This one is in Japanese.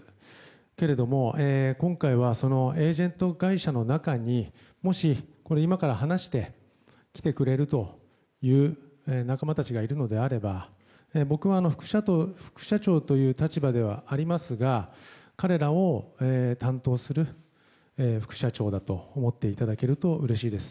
けれども、今回はエージェント会社の中にもし、今から話して来てくれるという仲間たちがいるのであれば僕は副社長という立場ではありますが彼らを担当する副社長だと思っていただけるとうれしいです。